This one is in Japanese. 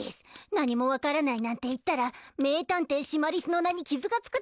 何も分からないなんて言ったら名探偵シマリスの名に傷が付くところでぃした。